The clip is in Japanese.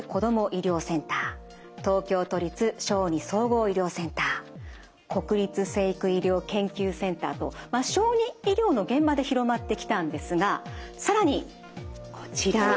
医療センター東京都立小児総合医療センター国立成育医療研究センターと小児医療の現場で広まってきたんですが更にこちら。